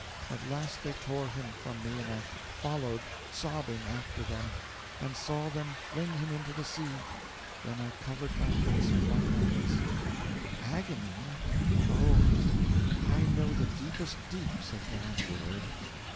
At last, they tore him from me, and I followed sobbing after them, and saw them fling him into the sea then I covered my face with my hands. Agony? Oh, I know the deepest deeps of that word!